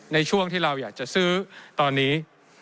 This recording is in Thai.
ในช่วงที่เราอยากจะซื้อตอนนี้